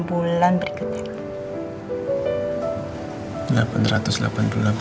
delapan ratus delapan puluh delapan bulan berikutnya